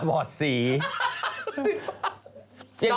ฝ้าตรงไหน